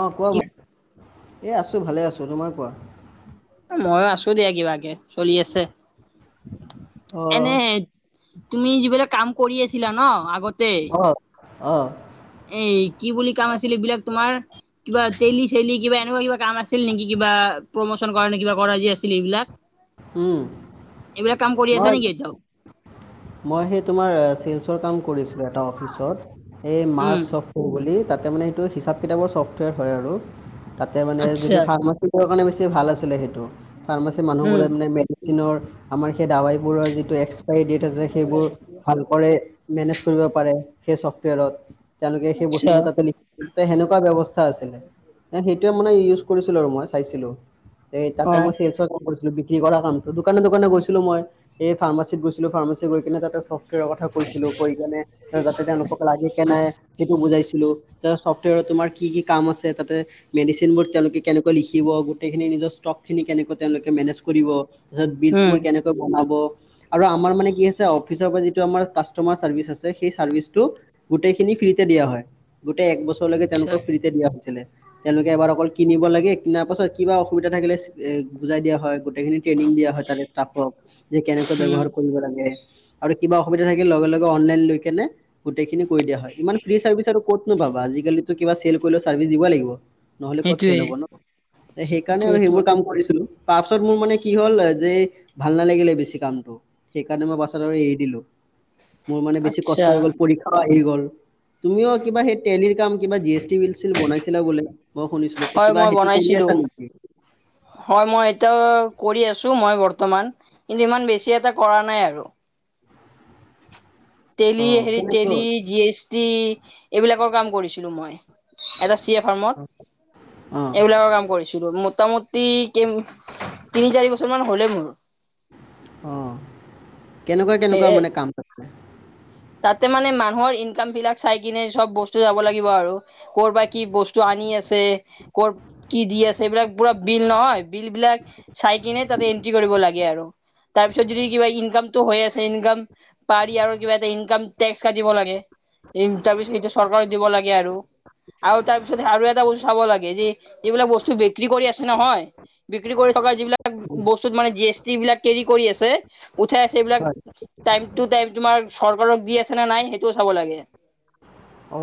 অ কোৱা কি ব এই আছো ভালে আছো তোমাৰ কোৱা ময়ো আছো দিয়া কিবাকে চলি আছে অ এনে তুমি যিবিলাক কাম কৰি আছিলা ন আগতে অ এ কি বুলি কাম আছিল এইবিলাক তোমাৰ কিবা তেলি চেলি কিবা কিবা কিবা কাম আছিল নেকি কিবা প্ৰমোচন কৰা নে কিব কৰা যি আছিল এইবিলাক উম এইবিলাক কাম কৰি আছা মই নেকি এতিয়াও মই সেই তোমাৰ উম [unintelligible] তাতে মানে আচ্ছা সিচাঁ [unintelligible] ভাল আছিলে সেইটো ফাৰ্মাচি উম মানুহবোৰে মানে মেডিচিনৰ আমাৰ সেই দাবাইবোৰৰ যিটো আ সেইবোৰ ভালক মেনেজ কৰিব পাৰে সেই চফটৱেৰত তেওঁলোকে সেই আচ্ছা বস্তুবোৰ তাতে লিখি সেনেকুৱা ব্যৱস্থা আছিলে য়া মানে ইউজ কৰিছিলো আৰু মই চাইছিলো তে অ তাতে মই চিয়েল চৰ কাম কৰিছিলো বি্ৰী কৰা কামটো দোকানে দোকানে গৈছিলো মই এই ফাৰ্মাচিতত গৈছিলো ফাৰ্মাচী গৈ কিনে তাতে কথা কৈছিলো কৈ কেনে যাতে তেওঁলোকক লাগে কে নাই সেইটো বুজাইছিলো তোাৰ কি কি কাম আছে তাতে মেডিচিনবোৰ তেওঁলোকে কেনেকৈ লিখিব গোটেইখিনি নিজৰ ষ্টকখিনক কে তেওঁলোকে মেনেজ কৰিব তাৰ উম বিজবোৰ কেনেকৈ বনাব আৰু আমাৰ মানে কি আ অফিচৰ পৰা যিটো আমাৰ কাষ্টমাৰ চাৰ্ভিচ আছে সেই চাৰ্ভিটো গোতেই খিনি ফ্ৰীতে দিয়া হয় গোটেই এক বছৰ আচ্ছা তেওঁলোকক ফ্ৰীতে দিয়া হৈছিলে তেওঁলোকে এবাৰ অকল কিনিব লাগে কিনাৰ পাছত কিবা অসুবিধা থাকিলে এ বুজাই দিয়া হয় গোটেইখিনি ট্ৰেইনিং দিয়া হয় তাৰে ষ্টাফক যে কেনেকৈ ব উম ব্যৱহাৰ কৰিব লাগে কিবা অসুবিধা থাক লগেে অনলাইন লৈ কেনে গোটেই খিনি কৰি দিয়া হয় ইমান ফ চাৰ্ভিছ আৰু কত নাপাবা আজিকালিতো কিবা চেল কৰিলেও চাৰ্ভিচ দিব লাগিব নহলে ক'ত চেল সেইটোৱে হব ন সেইকাৰণে আৰু সেইটোৱেটো সেইবোৰ কাম কৰিছিলো তাৰপিছত মোৰ মানে কি হ'ল যে ভাল নালাগিলে বেছি কামটো সেইকাৰণে মই বাাছত আৰু এৰি দিলো মোৰ মানে বেছি আচ্ছা কষ্ট হৈ গ'ল পৰীক্ষাও আহি গ'ল তুমিও কিবা সেই তেলিৰ কাম কিবা জি এছ টি বিলছিল বনাইছিলা বোলে মই শুনিছিলো হয় কিবা মই সেইটো কৰি বনাইছিলো আছা নেকি হয় মই এটোয়া কৰি আছো মই বৰ্তমান কিন্তু ইমান বেছি এটা কৰা নাই আৰু তেলি অ হেৰি কেনেকুৱা তেলি জি এছ টি এইবিলাকৰ কাম কৰিছিলোঁ মই। এটা চি এ অ ফাৰ্মত এইবিলাকৰ কাম কৰিছিলোঁ মই- মুতামুতি কিম- তিনি চাৰি বছৰ মান হ'লে মোৰ অ কেনেকুৱা সে। কেনেকুৱা মানে [inaudible] তাতে মানে মানুহৰ ইনকাম বিলাক চাই কিনে চব বস্তু। লাগিব আৰু কৰ' পৰা কি বস্তু আনি আছে ক' কি দি আছে এইবিলাক পুৰা। বিল নহয় বিল বিলাক চাই কিনে তাতে এন্ট্ৰি কৰিব লাগে আৰু। তাৰপিছত যদি কিবা ইনকামতটো হৈ আছে ইনকাম পাৰি আৰু কিবা এটা ইনক টেক্স- চাই দিব লাগে তাৰ পিছত সেইটো চৰকাৰে দিব লাগে আৰু। আৰু তাৰ পিছত আৰু এটা বস্ত চাব লাগে যে এইবিলাক বস্তু বিক্ৰী কৰি আছে নহয়। বিক্ৰী কৰি থকা যিবিলাক বস্তুত মানে জি এছ টি বিলাক কেৰি কৰি আছে উঠাই আছে এইবিলাক। হয় টাইম টো টাইম তোমাৰ চৰকাৰক দি আছে নে নাই সেইটোও চাব লাগে।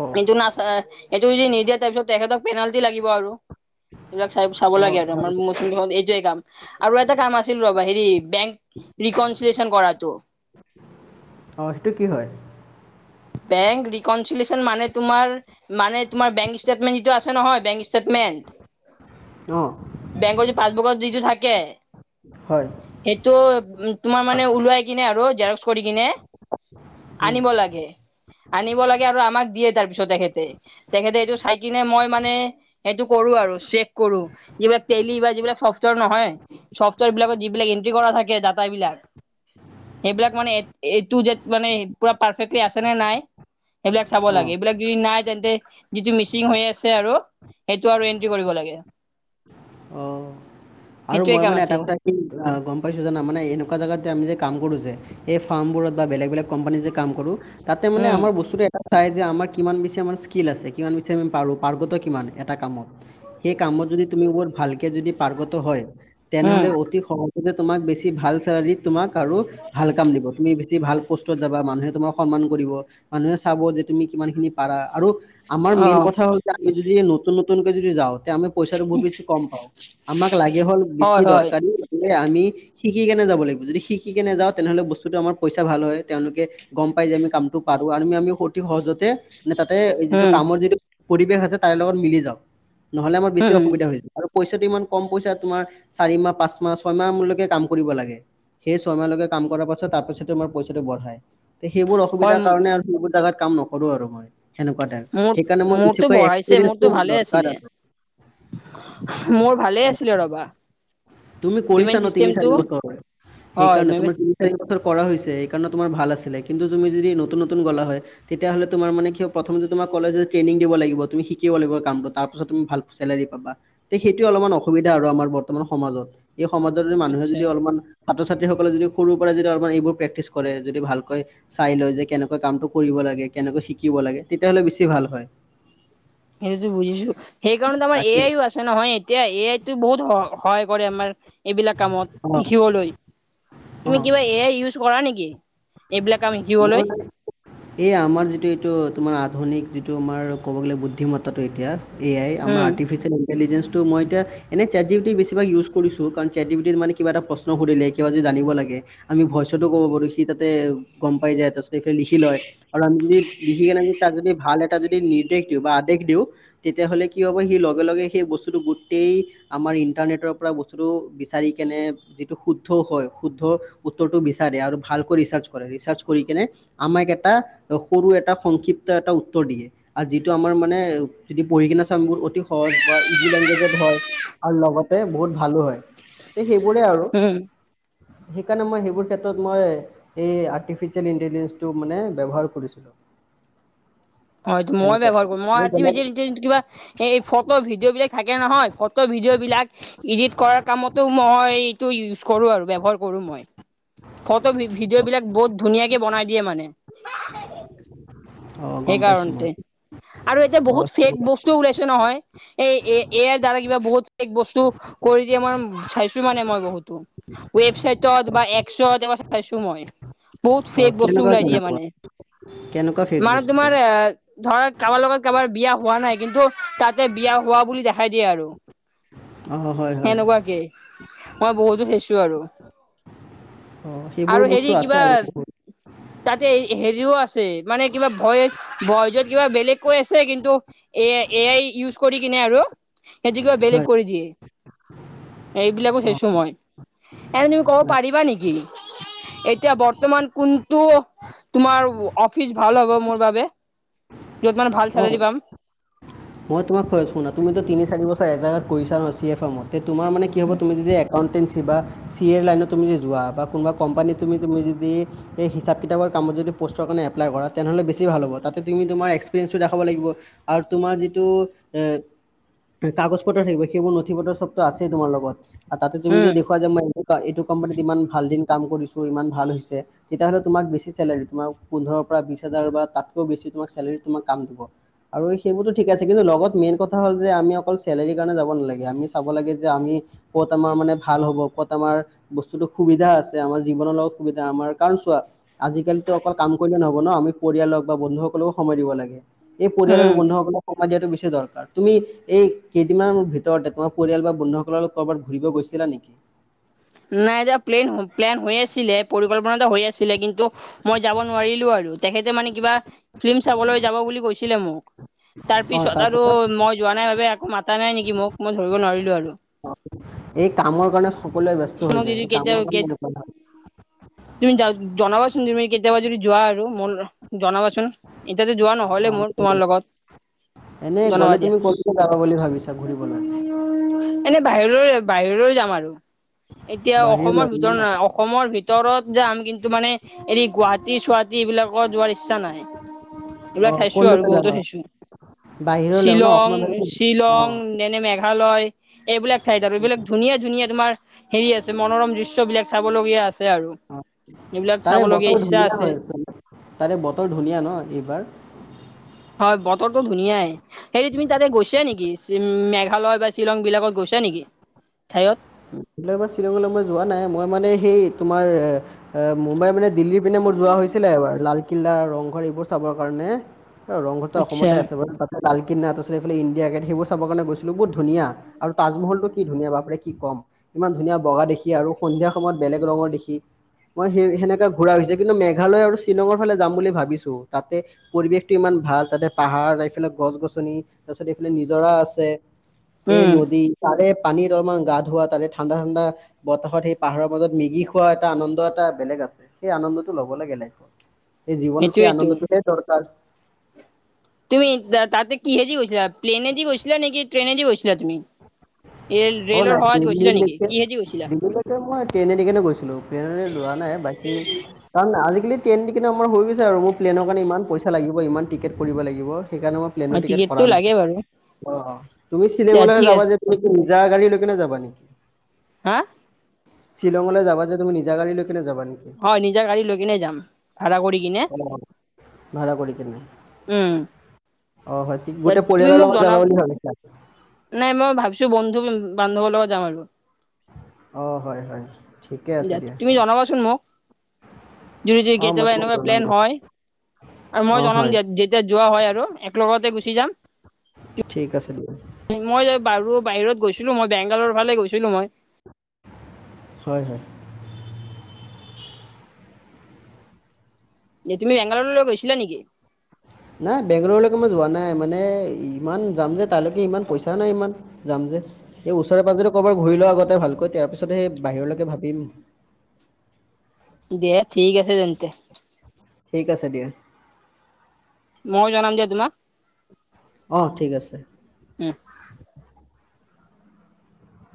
অ এইটো নাচা সেইটো যদি নিদিয়ে তাৰপিছত তেখেতক পেনাল্টি লাগিব আৰু। [inaudible] এইবিলাক চাই চাব অ লাগে আৰু হয় আমাৰ মুত এইটোৱে কাম আৰু এটা কাম আছিল ৰবা হেৰি বেংক। ৰিকনচিল্যন কৰাটো। অ সেইটো কি হয়? বেংক ৰিকনচিল্যচন মানে তোমাৰ মানে তোমাৰ বেংক ষ্টিটমেন্ত যিটো আছে- আছে নহয় বেং ষ্টেটমেণ্ট অ বেংকৰ যে পাচবুকত যিটো থাকে। হয় সেইটো তোমাৰ মানে ওলোৱাই কিনে আৰু জেৰক্স কৰি কিনে। উম, আনিব লাগে। আনিব লাগে আৰু আমাক দিয়ে তাৰ পিছত তেখেতে তেখেতে এইটো চাই কিনে মই মানে। সেইটো কৰোঁ আৰু চেক কৰোঁ যিবিলাক টেলি বা যিবিলাক চফ্টৱেৰ নহয় চফ্টৱেৰ বিলাকত যিবিলাক- তাতে এনটি কৰা থাকে দাতা বিলাক সেইবিলাক মানে এই টু যেত- মানে পুৰা পাৰফেক্টলি আছে নে নাই সেইবিলাক চাব অ লাগে এইবিলাক যদি নাই- তেনেতে যিটো মিচিং হৈ আছে আৰু সেইটো আৰু এন্ট্ৰি কৰিব লাগে। অ। আৰু সেইটোৱে মই কাম মানে এটা আছিল কথা কি গম পাইছোঁ জানা মানে এনেকুৱা জেগাত যে আমি যে কাম কৰোঁ যে- এই ফাৰ্মবোৰত বা বেলেগ বেলে কোম্পানী যে কাম কৰোঁ তাতে মানে উম আমাৰ বস্তুটো এটা- চাই যে আমাৰ কিমান বেছি আমাৰ স্কিল আছে কিমান বেছি আমি পাৰোঁ পাৰ্গত কিমান এটা কামত। সেই কামত যদি তুমি বোৰ ভালকে যদি পাৰ্গত হয় উম তেনেহলে অতি সহ- তে তোমাক বেছি ভাল চেলাৰীত তোমাক আৰু ভাল কাম দিব তুমি। এ ভাল পোষ্টত যাবা মানুহে তোমাক সন্মান কৰিব মানুহে চাব যে তুমি কিমান খিনি পাৰা আৰু- আমাৰ অ মেইন কথা হ'ল যে আমি যদি নতুন নতুনকে যদি যাওঁ তেয়ামি পইচাটো বহুত বেছি কম পাওঁ। আমাক লাগে হ'ল বেছি হয় হয় দৰকাৰী। আমি শিকি কেনে যাব লাগিব যদি শিকি কেনে যাওঁ তেনেহ'লে বস্তুতো আমাৰ পইচা ভাল হয় তেওঁলোকে গম পাই। আমি কামটো পাৰোঁ আমি আমি সতি সহজতে। মানে তাতে যিটো উম কামৰ যিটো পৰিৱেশ আছে তাৰে লগত মিলি যাওঁ নহ'লে আমাৰ বেছি উম উম অসুবিধা হৈ যায় আৰু। পইচাটো ইমান কম পইচা তোমাৰ চাৰি মাহ পাঁচ মাহ ছয়মাহলৈকে কাম কৰিব লাগে সেই ছয়মাহলৈকে কাম কৰাৰ পাছত তাৰ পিছত তোমাৰ পইচাটো বঢ়ায়। তে সেইবোৰ হয় অসুবিধাৰ কাৰণে আৰু সেইবোৰ জাগাত কাম নকৰোঁ আৰু মই। সেনেকুৱা টাইপ মোৰ সেইকাৰণে মই মোৰতো উঠি পাই বঢ়াইছে মোৰতো এক্সপৰিয়েঞ্চ ভালে আছিলে দৰকাৰ আছে। মোৰ ভালে আছে। তুমি কৰিছা ন তিনি চিষ্টেমটো চাৰি বছৰ হয় সেইকাৰণে মেমে তোমাৰ তিনি চাৰি। কৰা হৈছে এইকাৰণে তোমাৰ ভাল আছিলে। কিন্তু তুমি যদি নতুন নতুন গলা হয়। তেতিয়াহ'লে তোমাৰ মানে কি প্ৰথম। কিন্তু তোমাক ক'লে যে ট্ৰেনিং দিব লাগিব তুমি শিকিব লাগিব কাম টো তাৰ পিছত তুমি ভাল চেলেৰী পাবা। হেইটো অলপমান অ। অসুবিধা আৰু আমাৰ বৰ্তমান সমাজত এই সমাজত যদি মানুহে আচ্ছা যদি অলপমান ছাত্ৰ - ছাত্ৰীসকলে যদি সৰুৰ পৰা যদি অলপমান এইবোৰ প্ৰেক্টিচ কৰে যদি ভালকৈ চাই লয় যে কেনেকুৱা কামটো কৰিব লাগে। কেনেকৈ শিকিব লাগে তেতিয়াহ'লে বেছি ভাল হয়। সেইতো বুজিছো সেইকাৰণত আমাৰ এ তাকে আইও আছে নহয় এতিয়া এ আই। টো বহুত সহায় কৰে আমাৰ। এইবিলাক কামত অ শিকিবলৈ অ তুমি কিবা এ ইউজ কৰা নেকি। এইবিলাক কাম শিকিবলৈ মই এই আমাৰ যিটো এইটো তোমাৰ আধুনিক। যিটো আমাৰ ক'ব গ'লে বুদ্ধিতাটো এতিয়া এ আই আমাৰ উম আৰ্টিফিচিয়েল ইণ্টেলিজেন্ঞ্চ। ত মই এতিয়া এনে চাতজীবিতি বেচিভাগ ইউজ কৰিছো কাৰণ চাতজীৱিতমানে কা এটা প্ৰশ্ন সুধিলে কিবা য জানিব লাগে। আমি ভইচতো ক'ব পাৰো সি তাতে গম পাই যায় তাৰ পিছত সফালে লিখি লয় আৰু আমি যদি। লিখি কেনে যদি তাক যদি ভাল এটা যদি নিৰ্দেশ দিওঁ বা আদেশ দিওঁ তেতিয়াাহ'লে কি হ'ব সি লগে লগে সেই। বস্তুটো গুটেই আমাৰ ইণ্টাৰনেটৰ পৰা বস্তু বিচাৰি কেনে যিটো শুদ্ধ হয়। উত্তৰটো বিচাৰে আৰু ভাল কৰি। কৰে ৰিচাৰ্জ কৰিকেনে আমাক এটা সৰু এ সংক্ষপ এটা উতৰ দিয়ে আৰু যিটো। আমাৰ মানে যদি পঢ়ি কিনে চমোৰ অতি সহজ বা ইজি লেংগুৱেজ হয়। আৰু লগতে বহুত ভালো হয়। সেইবোৰে আৰু উম সেইকাৰণে মই সেইবোৰ ক্ষেত্ৰত মই এই আৰ্টিফিচিয়েল ইণ্টেলিজেঞ্চটো মানে ব্যৱহাৰ কৰিছিলোঁ। অহ, এইটো মই সেনেকুৱাকৈ ব্যৱহাৰ কৰোঁ মই বেলেগ আৰ্টিফিচিয়েল ইন্টেলিজেন্ট কিবাএই ফটো ভিডিঅ' বিলাক থাকে নহয় ফটো ভিডিঅ' ভিডিঅ' বিলাক এডিট কৰা কামতো মই ইউজ কৰোঁ আৰু ব্যৱহাৰ মই ফটো ভিডিঅ' বিলাক বহুত ধুনীয়াকে বনাই দিয়ে মানে। অঁ গম পাইছোঁ মই সেইকাৰণতে আৰু এতিয়া অঁ বহুত ফেক বস্তু ওলাইছে নহয়। এই এ এয়াৰ দ্বাৰা কিবা বহুত বস্তু কৰি দিয়ে মান চাইছোঁ মানে মই বহুতো ৱেবছাইটত বা এক্সৱত এইবোৰ চাইছোঁ মই বহুত অঁ ফেক বস্তু কেনেকুৱা ওলাই দিয় কেনেকুৱা মানে কেনেকুৱা ফেক মানে বস্তু তোমাৰ অ ধৰা কাৰোবাৰ লগত কাৰোবাৰ বিয়া হোৱা নাই কিন্তু তাতে বিয়া হোৱা বুলি দেখাই দিয়ে আৰু অঁ হয় হয় হেনেকুৱাকে মই বহুতো চাইছোঁ আৰু অঁ সেইবোৰ আৰু হেৰি বস্তু আছে কিবা আৰু বহুত তাতে হেৰিও আছে মানে কিবা ভইচ ভইজত য'ত কিবা বেলেগ কৈ আছে কিন্তু এ এ আই ইউজ কৰি কিনে আৰু সেইতো কিবা বেলেগ হয় কৰি দিয়ে, এইবিলাকো অঁ চাইছোঁ মই এনে তুমি ক'ব হয় পাৰিবা নেকি? এতিয়া বৰ্তমান কোনটো তোমাৰ অফিচ ভাল হ'ব মোৰ বাবে, য'ত মানে ভাল অঁ চেলাৰী পাম। মই তোমাক কৈ আছোঁ শুনা তুমি তিনি-চাৰি বছৰ এজেগাত কৰিছা ন চি, এফ মতে তোমাৰ মানে কি হ'ব তুমি যে একাউণ্টেঞ্চি বা চি, এৰ লাইনত তুমি যোৱা বা কোনোবা কোম্পানী তুমি তুমি যদি এই হিচাপকেইটাৰ বাৰ কামত যদি পষ্টকাৰণে এপ্লাই কৰা তেনেহলে বেছি ভাল হ'বা তাতে তুমি তোমাৰ এক্সপেৰিয়েন্স দেখাব লাগিব আৰু তোমাৰ যিটো টো এ কাগজ পত্ৰ থাকিব সেইবোৰ নথি- পত্ৰ চবটো আছেই তোমাৰ লগত তাতে তুমি যদি উম দেখুৱা মই এইটো এইটো কোম্পানীত ইমান ভাল দিন কাম কৰিছোঁ ইমান ভাল হৈছে তেতিয়াহ'লে তোমাক বেছি চেলাৰী তোমাৰ পোন্ধৰ পৰা বিশ হাজাৰ বা তাতকৈও বেছি তোমাক চেলাৰী তোমাক কাম দিব, সেইবোৰটো ঠিক আছে কিন্তু লগত মেইন কথা হ'ল যে আমি অকল চেলাৰী কাৰণে যাব নালাগে আমি চাব লাগে যে আমি ক'ত আমাৰ মানে ভাল হ'ব ক'ত আমাৰ বস্তুতো সুবিধা আছে আমাৰ জীৱনৰ লগত সুবিধা আমাৰ কাৰণ চোৱা আজি আজিকালিতো অকল কাম কৰিলে নহব ন আমি পৰিয়ালক বা বন্ধুসকলকো সময় দিব লাগে, এই পৰিয়াল আৰু উম বন্ধুসকলকে দিয়াটো বেছি দৰকাৰ তুমি এই কেইদিনমান ভিতৰতে তোমাৰ পৰিয়াল বা বন্ধুসকলৰ লগ ক'ৰবাত ফুৰিব গৈছিলা নেকি? হয় নাই এতিয়া প্লেন প্লেন হৈ আছিলে পৰিকল্পনা এটা হৈ আছিলে কিন্তু মই যাব নোৱাৰিলোঁ আৰু উম! তেখেতে মানে কিবা ফিল্ম চাবলৈ যাব বুলি কৈছিলে মোক তাৰ অ পিছত আৰু তাৰপাছত মই যোৱা নাই বাবে একো মাতা নাই নেকি মোক মই ধৰিব নোৱাৰিলোঁ আৰু এই কামৰ কাৰণে সকলোৱে ব্যস্ত হৈ মোক যদি যায় কেতিয়াবা কামৰ কাৰণেএনেকুৱা ন তুমি য জনাবাচোন তুমি কেতিয়াবা যদি যোৱা আৰু ম জনাবাচোন চোন এতিয়াতো যোৱা নহলে অ মোৰ তোমাৰ লগত এনে জনাবা গ'লে দিয়া। তুমি ক'লৈকে যাবা বুলি ভাবিছা ঘূৰিবলৈ এনেই বাহিৰলৈ বাহিৰলৈ যাম আৰু এতিয়া অসমৰ বাহিৰলৈ ভিতৰত ন নহাই অসমৰ ভিত ওচৰত যাম কিন্তু মানে হেৰি গুৱাহাটী-চুৱাটী এইবিলাকত যোৱাৰ ইচ্ছা নাই এইবিলাক অ চাইছোঁ আৰু ক'লৈকে বহুতে যাবা চাইছোঁ। বাহিৰলৈ ন শ্বিলং, অসমৰ বাহিৰত অ শ্বিলং, যেনে মেঘ মেঘালয় এইবিলাক ঠাইত আৰু এইবিলাক ধুনীয়া, ধুনীয়া তোমাৰ হেৰি আছে মনোৰম দৃশ্য বিলাক চাবলগীয়া আছে আৰু অ, এইবিলাক তাৰে চাবলগীয়া বতৰ ইচ্ছা ধুনীয়া আছে হৈ তাৰে বতৰ ধুনীয়া ন এইবাৰ। হয় বতৰটো ধুনীয়াই হেৰি তুমি তাতে গৈছা নেকি যিম মে মেঘালয় বা শ্বিলং বিলাকত গৈছা নেকি? ঠাইত শ্বিলঙলৈ মই যোৱা নাই মই মানে সেই তোমাৰ মুম্বাই মানে দিল্লীৰ পিনে মোৰ যোৱা হৈছিলে এবাৰ কিল্লা ৰংঘৰ এইবোৰ চাবৰ কাৰণে ৰংঘৰটো আচ্ছা অসমতে আছে বাৰ তালক আ এইফাল ইণ্ডিয়া গেট সেইবোৰ চাব কাৰণে গৈছিলো বহুত ধুনীয়া আৰু তাজহলটো ঠিক ন বাপৰে কি কম ইমান ধুনীয়া বগা দেখি আৰু সন্ধিয়া সময়ত বেলেগ ৰঙৰ দেখি। মই সেই সেনেকা ঘূৰা হৈছে। কিন্তু মেঘালয় আৰু শ্বিলঙৰ ফালে যাম বুলি ভাবিছো তাতে পৰিৱেশ টো ইমান ভাল তাতে পাহাৰ এইফালে। গছ গছনি তাৰপিছত এইফালে নিজৰা আছে এই উম নদী তাৰে পানীত অলপমান গা ধুৱা তাতে ঠাণ্ডা ঠাণ্ডা বতাহত সেই পাহাৰৰ মাজত মেগী খোৱা এটানন্দ এটা বেলেগ সেই আনন্দতটো লব লাগে লাইফত সেই জীৱনত সেই সেইটোয়েতো আনন্দটোহে দৰকাৰ। তুমি তাতে কিহেদি গৈছিলা প্লেনে দি গৈছিলা নেকি ট্ৰেইনে দি গৈছিলা তুমি? ৰেল অ ৰেলৰ নাই দ সহায়ত দিল্লী গৈছিলা নেকি কিহেদি গৈছিলা? মই ট্ৰেইনে গৈছিলো ট্ৰেইনে লোৱা নাই বাই। উ কাৰণ আজিকালি ট্ৰেইনটো কিন্তু আমাৰ হৈ গৈছে আৰু মোৰ প্লেইনৰ কাৰণে ইমান পইচা লাগিব ইমান টিকেট পৰিব লাগিব। সেইকাৰণে মই অ প্লেনৰ টিকেট কৰা টিকেটটো নাই লাগে বাৰু অ তুমি দে শ্বিলিঙলৈ ঠিক যাবা আছে যে নিজা গাড়ী লকেনে যাবা নেকি হা শ্বিলঙলৈ যাবা যে তুমি নিজা গাড়ী কেনে যাবা নেকি হয় নিজা গাড়ী লৈ কিনে যাম ভাড়া কৰি কিনে অ ভাড়া কৰি কিনে উম অ হয় ঠ গোটেই তুমি পৰিয়ালৰ মোক লগত জনাব যাবা বুলি ভাবিছা নাই মই ভাবিছো বন্ধু বান্ধৱৰ লগত যাম আৰু অ হয় হয় ঠিকে আছে দিয়া। জুদি জুদি অ মই কেতিয়াবা তোমাক এনেকুৱা জনাম প্লেন দিয়া হয়। আৰু অ মই জনাম হয় যেতিয়া যোৱা হয় আৰু একেলগতে গুচি যাম। ঠিক আছে। মই যে বাৰু বাহিৰত গৈছিলো মই বেংগালৰ ফালে গৈছিলো মই হয় হয়। এ তুমি বেংগালুৰলৈ গৈছিলা নেকি। [inaudible] নাই বেংগলৰলৈকে মই যোৱা নাই মানে ইমান যাম যে তালৈকে ইমান পইচাও নাই ইমান যাম যে। স ওচৰে পাজৰে কৰ'বাৰ ঘূৰি ল আগতে ভালকৈ তাৰ পিছত সেই বাহিৰলৈকে ভাবিম। [inaudible] দে ঠিক আছে তেন্তে। ঠিক আছে দিয়া। মই জনাম দিয়া তোমাক। অ ঠিক আছে। উম।